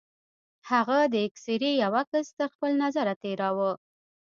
هغه د اکسرې يو عکس تر خپل نظره تېراوه.